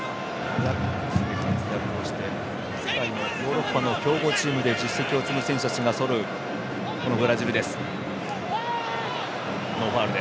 ヨーロッパの強豪チームで実績を残した選手たちがそろうこのブラジルです。